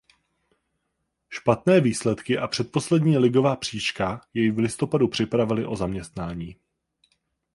Špatné výsledky a předposlední ligová příčka jej v listopadu připravily o zaměstnání.